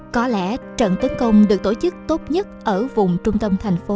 có lẽ trận tấn công được tổ chức tốt nhất ở vùng trung tâm thành phố là trận đánh đại phát thanh